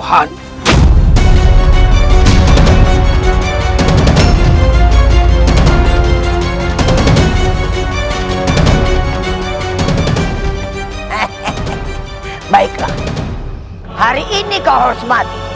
hehehe baiklah hari ini kau harus mati